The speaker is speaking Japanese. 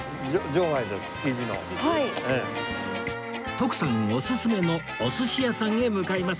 徳さんおすすめのお寿司屋さんへ向かいます